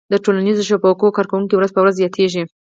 د ټولنیزو شبکو کارونکي ورځ په ورځ زياتيږي